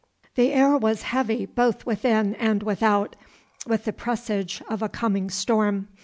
The air was heavy both within and without, with the presage of a coming storm.